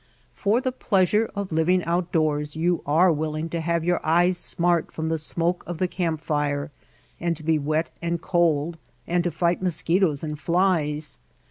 For the pleasure of living outdoors you are willing to have your eyes smart from the smoke of the camp fire, and to be wet and cold, and to fight mosquitoes and flies.